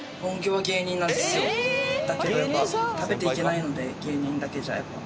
だけどやっぱ食べていけないので芸人だけじゃ。